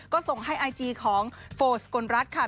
ก็ส่งให้ไอจีของโฟสกลรัฐค่ะ